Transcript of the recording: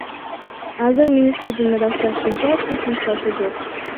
Азыр министрдин ырасташынча, түп нускасы жок.